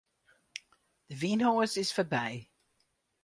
De wynhoas is foarby.